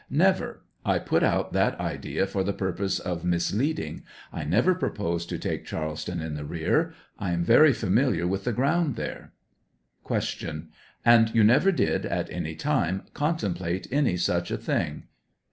Never; I put out that idea for the purpose of misleading; I never proposed to take Charleston in the rear; I am very familiar with the ground there. Q. And you never did, at any time, contemplate any such a thing?